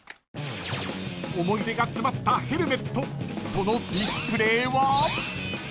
［思い出が詰まったヘルメットそのディスプレーは？］